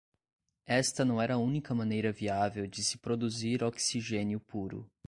Esta não era a única maneira viável de se produzir oxigênio puro.